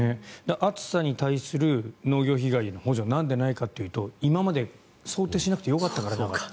暑さに対する農業被害への補助がなんでないかというと、今まで想定しなくてよかったから。